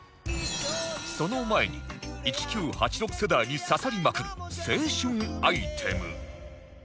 その前に１９８６世代に刺さりまくる青春アイテム